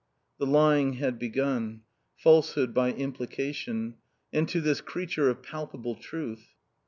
The lying had begun. Falsehood by implication. And to this creature of palpable truth.